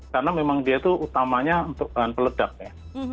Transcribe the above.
karena memang dia itu utamanya untuk bahan peledak ya